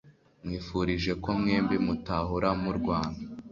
Nkwifurije ko mwembi mutahora murwana